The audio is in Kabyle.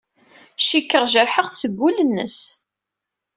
Cikkeɣ jerḥeɣ-t deg wul-nnes.